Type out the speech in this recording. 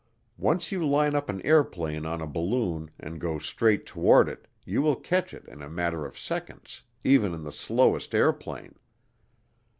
Once you line up an airplane on a balloon and go straight toward it you will catch it in a matter of seconds, even in the slowest airplane.